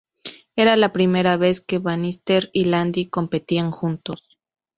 Era la primera vez que Bannister y Landy competían juntos.